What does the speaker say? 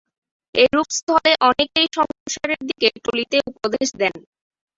এরূপস্থলে অনেকেই সংসারের দিকে টলিতে উপদেশ দেন।